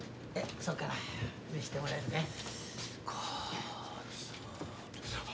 そうか見してもらえるかい。